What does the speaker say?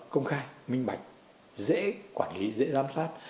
công khai minh bạch dễ quản lý dễ giám sát